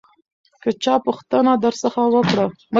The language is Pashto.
که چا پوښتنه درڅخه وکړه